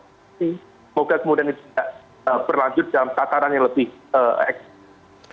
semoga kemudian itu tidak berlanjut dalam tataran yang lebih ekstrim